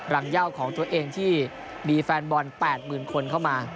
รังยาวของตัวเองที่มีแฟนบอล๘หมื่นคนเข้ามา